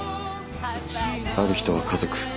ある人は家族。